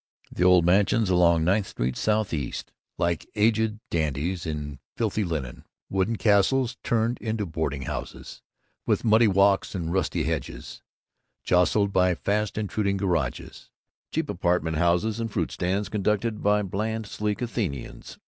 The old "mansions" along Ninth Street, S.E., like aged dandies in filthy linen; wooden castles turned into boarding houses, with muddy walks and rusty hedges, jostled by fast intruding garages, cheap apartment houses, and fruit stands conducted by bland, sleek Athenians.